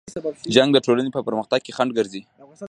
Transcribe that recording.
جنګ د ټولنې په پرمختګ کې خنډ ګرځي.